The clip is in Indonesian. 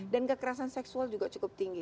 dan kekerasan seksual juga cukup tinggi